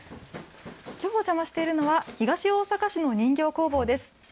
きょうお邪魔しているのは、東大阪市の人形工房です。